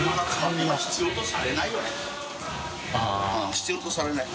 必要とされない。